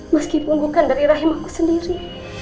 meskipun bukan dari rahim aku sendiri